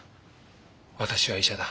私は医者だ。